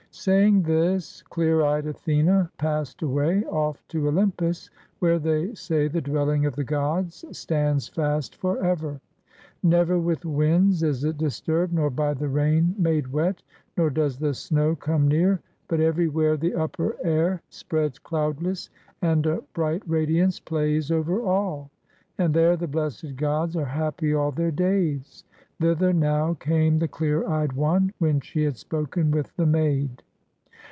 Saying this, clear eyed Athene passed away, off to Ol3anpus, where they say the dwelling of the gods stands fast forever. Never with winds is it disturbed, nor by the rain made wet, nor does the snow come near; but everywhere the upper air spreads cloudless, and a bright radiance plays over all; and there the blessed gods are happy all their days. Thither now came the clear eyed one, when she had spoken with the maid.